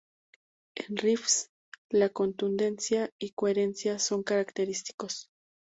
En riffs, la contundencia y coherencia son característicos.